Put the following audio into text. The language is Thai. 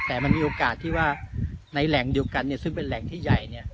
แต่มันมีโอกาสที่ว่าในแหล่งเดียวกันซึ่งเป็นแหล่งที่ใหญ่